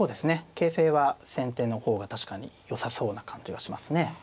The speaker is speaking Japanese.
形勢は先手の方が確かによさそうな感じがしますね。